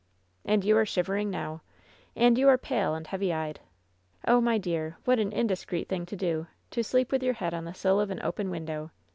"And you are shivering now. And you are pale and heavy eyed. Oh, my dear, what an indiscreet thing to do — ^to sleep with your head on the sill of an open win dow